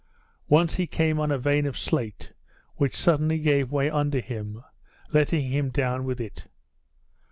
Once he came on a vein of slate, which suddenly gave way under him, letting him down with it.